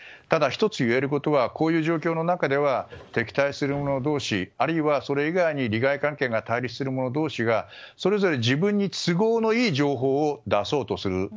ただ１つ言えることはこういう状況の中では敵対する者同士あるいはそれ以外に利害関係が対立する者同士がそれぞれ自分に都合のいい情報を出そうとする。